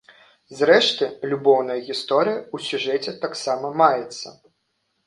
Зрэшты, любоўная гісторыя ў сюжэце таксама маецца.